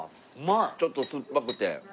ちょっと酸っぱくて。